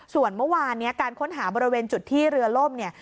ส่วนเมื่อวานเนี่ยการค้นหาบริเวณจุดที่เรือล่มเนี่ย